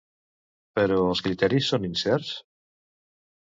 Però els criteris són incerts?